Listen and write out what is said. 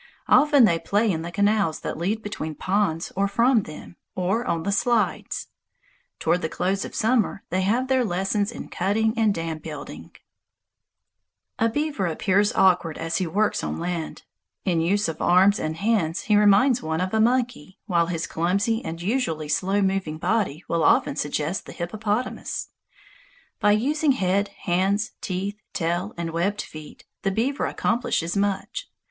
Often they play in the canals that lead between ponds or from them, or on the "slides." Toward the close of summer, they have their lessons in cutting and dam building. [Illustration: A BEAVER HOUSE Supply of winter food piled on the right] A beaver appears awkward as he works on land. In use of arms and hands he reminds one of a monkey, while his clumsy and usually slow moving body will often suggest the hippopotamus. By using head, hands, teeth, tail, and webbed feet the beaver accomplishes much.